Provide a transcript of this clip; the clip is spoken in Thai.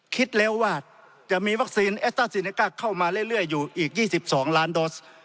คิดแล้วว่าจะมีวัคซีนเอสต้าซีเนก้าเข้ามาเรื่อยอยู่อีก๒๒ล้านโดส